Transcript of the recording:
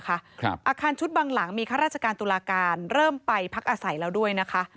อาคารชุดบางหลังมีข้าราชการตุลาการเริ่มไปพักอาศัยแล้วด้วยนะคะ